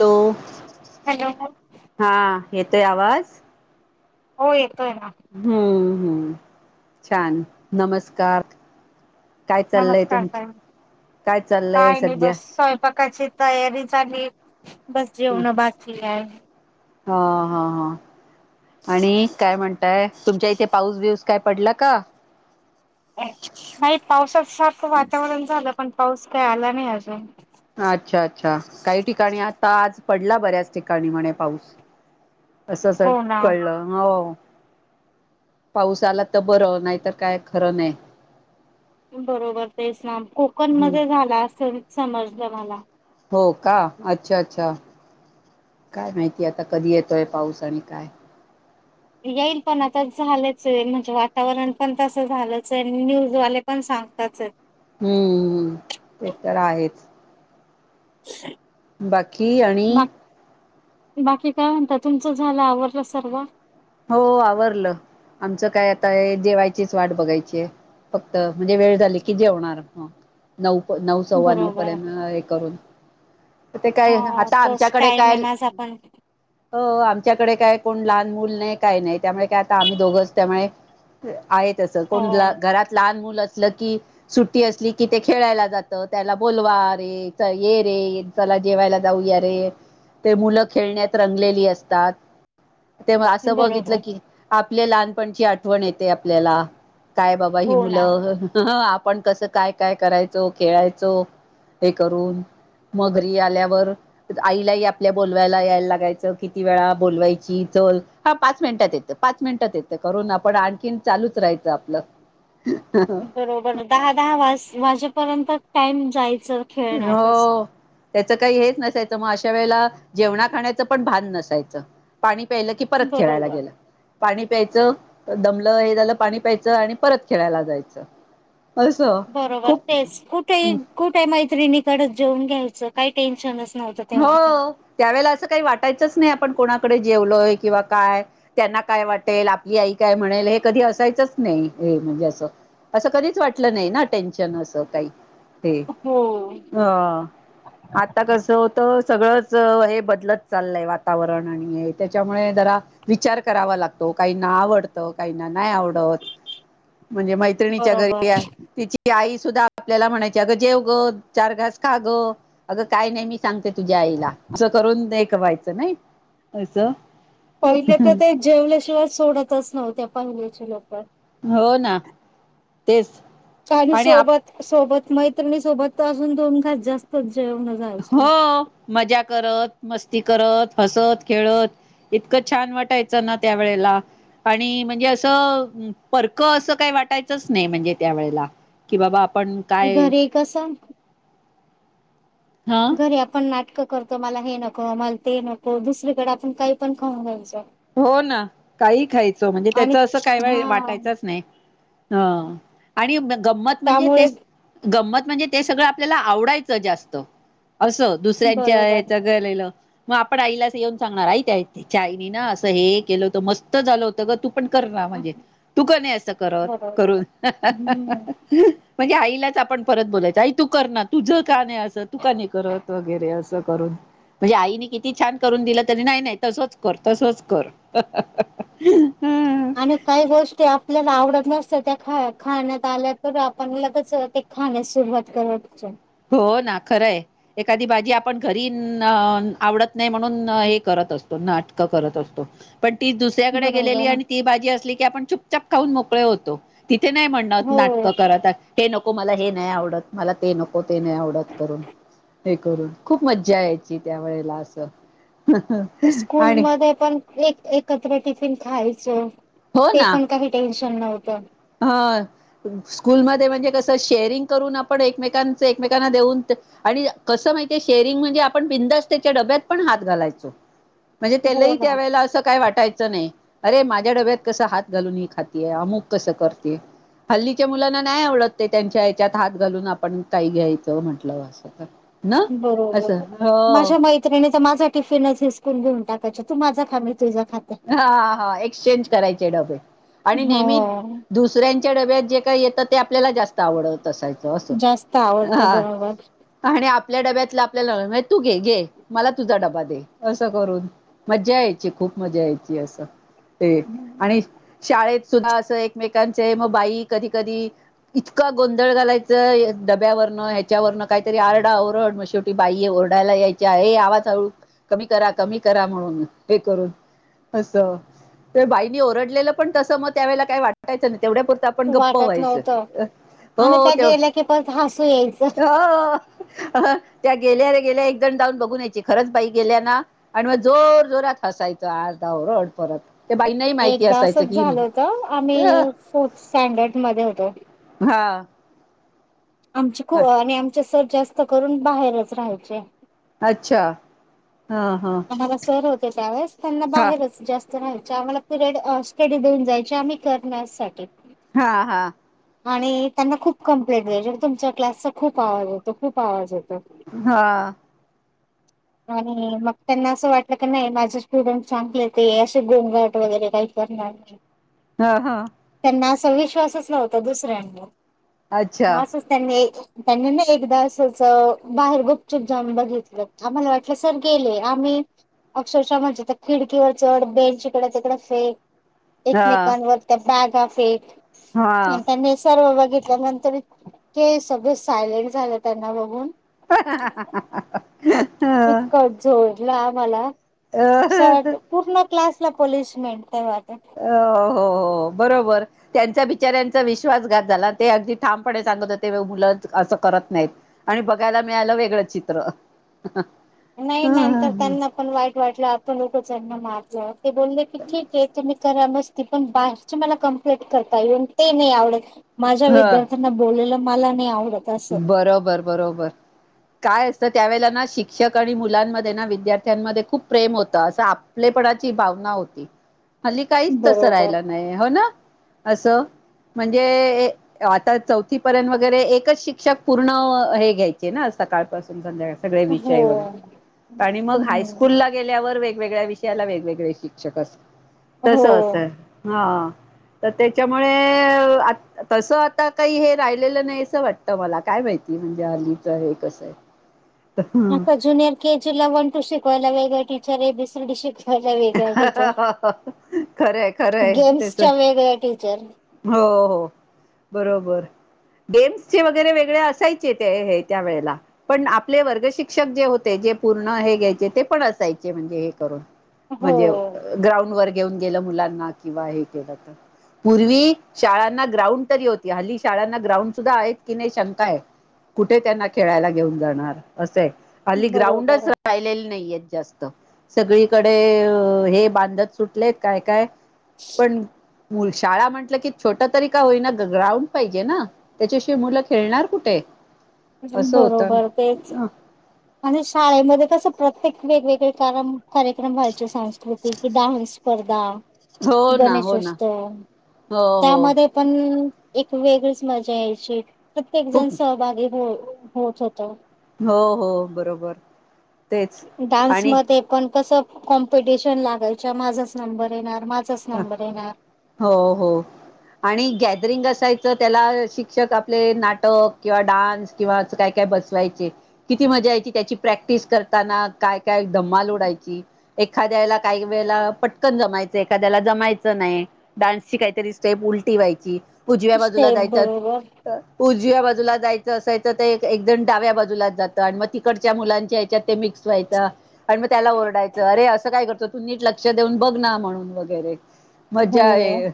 दो hello. येतोय आवाज. हो येत हम्म हम्म छान नमस्कार. काय चाल्लय नमस्कार तुमच ताई. काय चाल्लय सध्या तशी तयारी चाली बस ह जेवण बाकी आह. हा हा हा. आणि काय म्हणताय तुमच्या इथे पाऊस बिऊस काय पडला का? नाही पावसाच सारखं वातावरण झालं पण पाऊस काय आला नाही अजून. अच्छा अच्छा काही ठिकाणी आता आज पडला बऱ्याच ठिकाणी म्हणे पाऊस. असंस हो ना. कळलंं हो. पाऊसा आला त बरं नाहीतर काय खरं नाई. बरोबर तेस ना कोकण हम्म मध्ये झाला असंल समजलं मला हो का अच्छा अच्छा काय माहिती आता कधी येतोय पाऊस आणि काय येईल पण आता झालंचए म्हणजे वातावरण पण तसं झालंचए आहे न्यूज वाले पण सांग सांगताचत हम्म हम्म ते तर आहे स््् बाकी आणि बाकी काय म्हणत तुमचं झालं आवरलं सर्व हो आवरलं आमचं काय आता जेवायचीच वाट बघायची आहे फक्त म्हणजे वेळ झाली की जेवणार नऊ नऊ सव्वा नऊ बरोबर. पर्यंत हे करून ते काय हा आता तोच आमच्याकडे टाईम काय आहे माझा पण हो आ आच्याकडे काय कोण लहान मूल नाही काय नाही त्यामुळे काय आता आम्ही दोघंच त्यामुळे आहेत तस हो कोण घरात लहान मु अस की सुट्टी असली कि ते खेळायला जात त्याला बोलवा रे ये रे ला जेवायला जाऊ या रे ते मुलं खेळण्यात रंगलेली असतात तेव्हा असं बघितलं बरोबर. की आपले लहानपणची आठवण येते आपल्याला काय बाबा ही हो ना. मुलं आपण कसं काय काय करायचो खेळायचो हे करून म घरी आल्यावर आईलाही आपल्या बोलवायला यायला लागायचं किती वेळा बोलवायची चल हा पाच मिनिटात येतं पाच मिनिटात येतं करून आपण आणखीन चालूच राहायचं आपलं बरोबर दहा दहा वा वाजेपर्यंत टाइम जायच हो त्याच काही हे न मग अशा वेळेला जेवणा खाचं पण भ नसायच पा की परत खेळायला बरोबर. गेलं पा प्यायचं दमलं हे झालं पाणी प्यायचं आणि परत खेळायला जायचं असं बरोबर खूप तेच कुठे कुठे मैत्रिणीकडच जेऊन घ्यायचं काही टेन्शन अस हो त्यावेेळेला असं काही वाटायचंच नाही आप आपण कोणाकडे जेवलोय किंवा काय त्यांना काय वाटेल आपली आई काय म्हणेल हे कधी असायचंच नाही नाही हे म्हणजे अस असं कधीच वाटलं नाही ना टेन्शन अस काही ते हो. अ आता कस होत सगळंच हे बदलत चाललंय वातावरण आणि त्याच्यामुळे जरा विचार करावा लागतो काही ना आवडत काही ना नाही आवडत म्हणजे मैत्रिणीच्या बरोबर घरी ति आई सुधा आपल्याला म्हणाय अग जेव ग चार घास खा ग अग काय नाही सांगते तुझ्या आईला असं करून कवायचं नाही असं पहिले तर ते जेवल्याशिवाय सोडतच नव्हत्या पहिल्याच्या लोक हो ना तेच आणि सोबत सोबत मैत्रिणी सोबत अजून दोन घास जास्तच जेवण जायचे. हो मजा करत मस्ती करत हसत खेळत इतकं छान वाटायचं ना त्या वेळेला आणि म्हणजे असं परक असं काय वाटायच नाही म्हणजे त्या वला क बा घर कस ह घरी आपण नाट इक करतो मला हे नको मला ते नको दुसरीकडे आपण काही पण खाऊन घ्यायचं हो ना काही खायचं म्हणजे त्याच आणि असं काही वेळ हा वाटायचच नाही ह आणि गंमत म्हणजे ते त्यामुळे गंमत म्हणजे ते सगळं आपल्याला आवडायचं जास्त असं दुसऱ्यांच्या बरोबर च गलेलं मग आपण आईलाच येऊन सांगणार आ त्या आईनी ना असं हे केलं होतं मस्त झालं होतं ग तू कर ना म्हणजे तू का नाही अस करत बरोबर करून. हम्म म्हणजे आईलाच आपण परत बोलायच आई तू कर ना तुझ का नाही अस तू का नाही करत वगैरे असं करून. म्हणजे आईने किती छान करून दिलं तरी नाही नाही तसच कर तसच कर आणि काही गोष्टी आपल्याला आवड त नसत त्या ख खाण्यात आल्या तर आपण लगच ते खाण्यास सुरुवात करत हो ना खरंय एखादी भाजी आपण घरी आवडत नाही म्हणून हे कर असतो नाटकं करत असतो. पण ती दुसऱ्याकडे गेलेली बरोबर आणि ती भाजी असली की आपण चुपचप खाऊन मोकळे होतो. तिथे नाही म्हणत हो नाटकं करत हे नको मला हे नाही आवडत मला ते नको. ते नाही आवडत करून हे करून खूप मज्जा यायची त्या वेळेला असं. स्कूल आणि मध्ये पण एक एकत्र टिफिन खायचं. हो ते ना पण काही टेन्शन नव्हतं. ह स्कूलमध्ये म्हणजे कस शेअरिंग करून आपण एकमेकांच एकमेकांना देऊन आणि कसं माहितीये शेअरिंग म्हणजे आपण बिंदास्त त्याच्या डब्यात पण हात घालायचो. [inaudible] म्हणजे त्यालाही त्या ना वेळेला असं काही वाटायचं नाही अरे माझ्या डब्यात कसं हात घालून ही खातीेये अमुक कसं करते. हल्लीच्या मुलांना नाही आवडत ते त्यांच्या याच्यात हात घालून आपण काही घ्यायचं म्हंटलं असं तर. ना असं बरोबर, हो माझ्या मैत्रिणी तर माझा टिफिनच हिसकून घेऊन टाका च्या तू माझा खा मी तुझा खाते. हा हा एक्सचेंज करायचे डबे आणि नेहमी हो दुसऱ्यांच्या डब्यात जे येत ते आपल्याला जास्त आवडत असयच अस जास्त आवडतं हहा बरोबर आणि आप आपल्या डब्यातला आपल्याला तू घे घे मला तुझा डबा दे. असं करून मज्जा यायची खूप मज्जा यायची असं. ते आणि शाळेत सुद्धा असं एकमेकांचे मग बाई कधी कधी इतका गोंधळ घालायचं डब्यावरनं ह्याच्यावरन काहीतरी आरडा ओरड मग शेवटी बाई येऊन ओरडायला यायच्या हे आवाज हळू कमी करा कमी करा म्हणून हे करून. असं तर बाईनी ओरडलेलं पण तस मग त्या वेळेला काही वाटायचं नाही. तेवढ्या पुुरता आपण गप्प वाटत व्हायचं. नव्हतं आणि हो त्या तेव गेल्या की परत हसू यायचं. हो त्या गेल्या रे गेल्या एक जण जाऊन बघून यायची खरच बाई गेल्या ना आणि मग जोर जोरात हसायच. आता ओरड परत. ते बाईनाही माहिती एकदा असायचं असच की झाल होत अ आम्ही फोर्थ स्टँडर्ड मध्ये होतो. हा. आमचे खू आणि आमचे सर जास्त करून बाहेरच राहायचे. अच्छा. हा हा आम्हाला सर होते त्यावेळेस त्यांना हा बाहेरच जास्त य आम्हाला पिरयड स्टडी देऊन जायचे आम्ही करण्यासाठी. हा हा. आणि त्यांना खूप कंप्लेंट द्यायच्या तुमच्या क्लासचा खूप आवाज येतो खूप आवाज येतो. हा. आणि मग त्यांना असं वाटलं की नाही माझे स्टुडंट चांगले ते असे गोमघट वगैरे काही ना [inaudible] हा हा. असा विश्वासच नवता दुसऱ्यांना अच्छा म असच त्यानी त्यांनी ना एकदा असच बाहेरगुपचुप जाउन बघेतलं. आम्हाला वाटलं सर गेले आम्ही अक्षरशः म्हणे खिडकीवर चढ बेंच इकडडे तिकड फे क हा एकमेकांवर त्या बागा फेक हा त्यांनी सर्व घेतल्यानंतर इतके सगळे सायलेंट झाले त्यांना बघून,. [unintelligible] इतकं झोडलं आम्हाला शाळेत पूर्ण क्लास ला पनिशमेंट ते अ हो हो बरोबर त्यांच्या बिचाऱ्यांचा विश्वासघात झाला ते अगदी ठामपणे सांगत होते मुलं असं करत नाहीत आणि बघायला मिळालं वेगळंच चित्र नाही नंतर ह त्यांना पण वाईट वाटलं आपण उगाच यांना मारल ते बोलले की ठीक आहे तुम्ही करा मस्ती पण बाहेरची मला कॉम्प्लेन करतात येऊन ते नाही आवडत माझ्या विद्यार्थ्यांना बोललेला मला नाही आवडत. असं बरोबर बरोबर काय असतं त्यावेळेला ना शिक्षक आणि मुलांमध्ये ना विद्यार्थ्यांमध्ये खूप प्रेम होतं असं आपलेपणाची भावना होती हल्ली काहीच तसं बरोबर राहिला नाही हो ना? असं म्हणजे आता चौथी पर्यंत वगैरे एकच शिक्षक शिक्षक पूर्ण हे घ्यायचे ना सकाळपासून संध्याकाळी सगळे हो वैगरे विषय आणि मग हम्म हायस्कूलला गेल्यावर वेगवेगळ्या विषया ला वेगवेगळे शिक्षक असं हो तसं असं हा तर त्याच्यामुळे तसं आता काही हे राहिलेलं नाही असं वाटतं तर मला काय माहिती म्हणजे हल्लीच हे कसं आहे आता ज्युनियर के जी ला वन टू शिकवायला वेगळे टीचर ए बीसीडी शिकवायला हयाला वेगळ्या टीचर खरंय खरंय त्याच गेम्सच्या वेगळ्या टीचर हो हो बरोबर. गेम्सचे वगैरे वेगळे असायचे ते हे त्या वेळेला पण आपले वर्ग शिक्षक जे होते जे पूर्ण हे घ्यायचे ते पण असायचे म्हणजे हो म्हणजे ग्राउंडवर घेऊन गेलं मुलांना किंवा हे केलं तर पूर्वी शाळांना ग्राउंड तरी होती हल्ली शाळांना ग्राउंड सुद्धा आहेत की नाही शंका आहे? कुठे त्यांना खेळायला घेऊन जाणार असं आहे. हल्ली बरोबर ग्राउंडच राहिलेले नाहीयेत जास्त सगळीकडे हे बांधत सुटलेत काय काय पण मुल शाळा म्हटलं की छोट तरी का होईना ग्राउंड पाहिजे ना त्याच्या शिवाय मुलं खेळणार कुठे? असं होतं बरोबर तेच आणि शाळेमध्ये कसं प्रत्येक वेगवेगळे कारम कार्यक्रम व्हायचे सांस्कृतिक डान्स स्पर्धा हो ना हो ना गणेशोत्सव हो हो त्यामध्ये पण एक वेगळीच मजा यायची प्रत्येक जण खूप सहभागी हो होत होत. हो हो बरोबर. तेच डान्स आणि मध्ये पण कसं कॉम्पिटिशन लागायच्या माझाच नंबर येणार? माझाच नंबर येणार हो हो आणि गॅदरिंग असायचं त्याला शिक्षक आपले नाटक किंवा डान्स किंवा काय काय बसवायचे ती मजा यायची त्याची प्रॅक्टिस करताना काय काय धम्माल उडायची एखाद्याला काही वेळेला पटकन जमायचं एखाद्याला जमायचं नाही डान्सची काहीतरी स्टेप्स उलटी व्हायची. उजव्या बाजूला स्टेप जायात बरोबर उजव्या बाजूला बाजूला जायचं असाय तर ते एकजण डाव्या बाजूलाच जातं आणि मग तिकडच्या मुलांच्या हयाच्यात ते मिक्स व्हायचं. आणि मग त्याला ओरडायचं अरे असं काय करतो तू नीट लक्ष देऊन बघ ना म्हणून बघ वैगरे मज्जा हो आहे.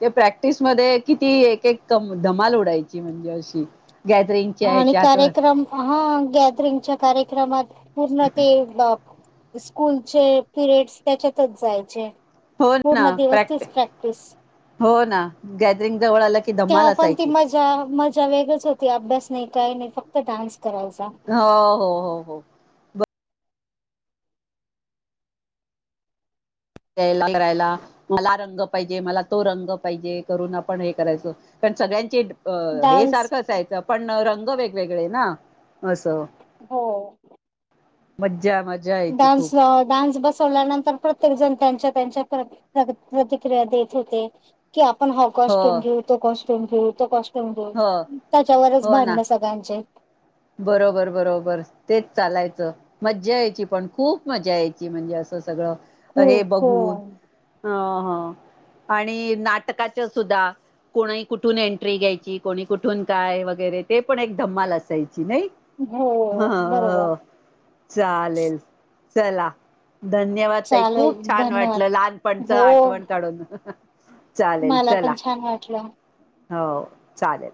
ते प्रॅक्टिसमध्ये किती एक एक धमाल उडायची म्हणजे अशी गॅदरिंगच्या आणि ह्याच्यात कार्यक्रम हा गॅदरिंगच्या कार्यक्रमात पूर्ण ते ब स्कूलचे पिरियडस त्याच्यातच जायचे. हो ना पूर्ण दिवस प्रॅक्ट तीच प्रॅक्टिस हो ना गॅदरिंग जवळ आलं की धमाल त्या पण ती असायची मज्जा मज्जा वेगळीच होती अभ्यास नाही काही नाही फक्त डान्स करायचा. हो हो हो हो बरो यायला करायला मला रंग पाहिजे मला तो रंग पाहिजे करून आपण हे करायचं पण सगळ्यांचे हे डान्स सारखं असयचं पण रंग वेगवेगळे ना असं मज्जा मज्जा यायची खूप डान्सल अ डान्स बसवल्यानंतर प्रत्येकजण त्यांच्या त्यांच्या प्र प्रग प्रतिक्रिया देत होते. की आपण हा हो कॉस्ट्यूम घेऊ तो कॉस्ट टुम घेऊ तो कॉस्ट्यूम घेऊ, हो त्याच्यावरच हो ना भांडण सगळ्यांचे. बरोबर बरोबर तेच चालायचं. मज्जा यायची पण खूप मज्जा यायची म्हणजे असं सगळं हे खूप हो बघून हां-हां. आणि नाटकाच सुद्धा कोणी कुठून एंट्री घ्यायची, कोणी कुठून काय वगैरे ते पण एक धम्माल असाय ची नाई हो हह बरोबर. हो चालेल चला. धन्यवाद ताई चालेल खूप छान धन्यवाद वाटलं लहानपणच हो आठवण काढून. चालेल मला चला पण छान वाटलं. हो चालेल.